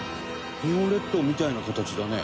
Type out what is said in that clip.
日本列島みたいな形だね。